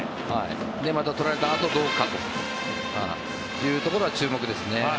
また取られたあとどうかというところは注目ですね。